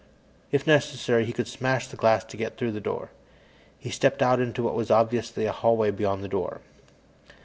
If necessary, he could smash the glass to get through the door. He stepped out into what was obviously a hallway beyond the door.